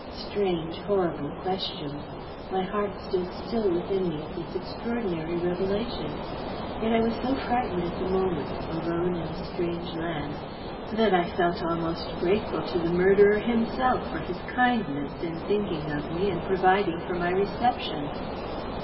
Strange, horrible questions! My heart stood still within me at this extraordinary revelation. Yet I was so frightened at the moment, alone in a strange land, that I felt almost grateful to the murderer himself for his kindness in thinking of me and providing for my reception.